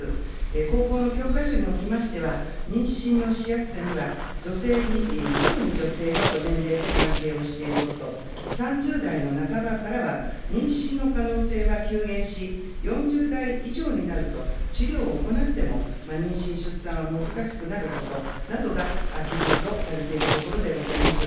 高校の教科書におきましては、妊娠のしやすさには、女性に、特に女性の年齢と関係をしていること、３０代の半ばからは、妊娠の可能性は急減し、４０代以上になると治療を行っても妊娠・出産は難しくなることなどが記述をされているところでございます。